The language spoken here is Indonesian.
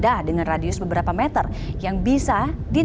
antaraalia vision selanjutnya gabung mscdeal chaos